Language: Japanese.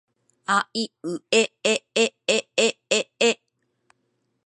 あいうえええええええ